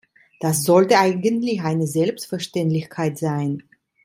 Das sollte eigentlich eine Selbstverständlichkeit sein!